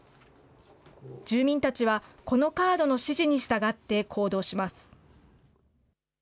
住民たちはこのカードの指示に従って行動します。